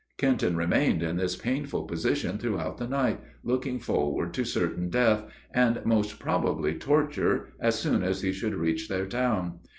Kenton remained in this painful position throughout the night, looking forward to certain death, and most probably torture, as soon as he should reach their town.